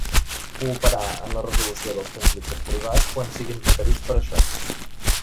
Cooperar en la resolució dels conflictes privats quan siguin requerits per això.